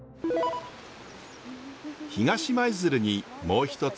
東舞鶴にもう一つ